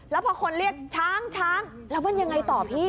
แล้วพอคนเรียกช้างช้างแล้วมันยังไงต่อพี่